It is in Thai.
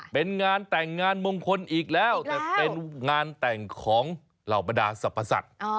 เป็นงานแต่งงานมงคลอีกแล้วแต่เป็นงานแต่งของเหล่าบรรดาสรรพสัตว์